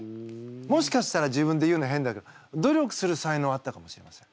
もしかしたら自分で言うの変だけど努力する才能はあったかもしれません。